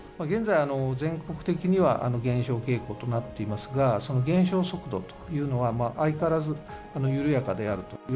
現在、全国的には減少傾向となっていますが、その減少速度というのは、相変わらず緩やかであると。